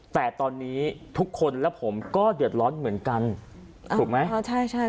แต่ตอนนี้ทุกคนและผมก็เดือดร้อนเหมือนกันถูกไหมอ๋อใช่ใช่